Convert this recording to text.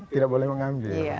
tidak boleh mengambil